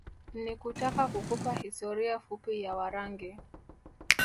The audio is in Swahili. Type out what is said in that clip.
Ni kutaka kukupa historia fupi ya Warangi